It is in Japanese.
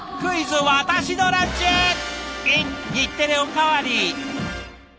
ｉｎ日テレおかわり。